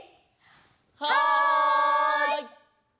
はい！